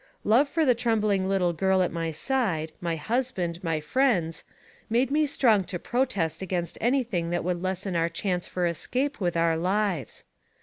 Love for the trembling little girl at my side, my hus band, and friends, made me strong to protest against any thing that would lessen our chance for escape with our lives.